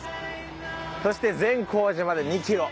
そして善光寺まで２キロ。